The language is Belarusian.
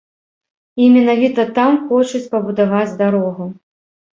І менавіта там хочуць пабудаваць дарогу.